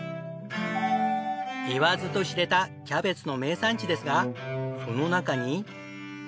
言わずと知れたキャベツの名産地ですがその中に。